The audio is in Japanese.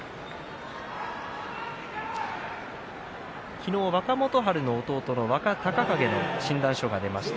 昨日、若元春の弟の若隆景の診断書が出ました。